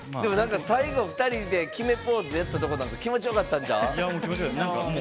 最後２人で決めポーズやったとこなんか気持ちよかったんちゃう？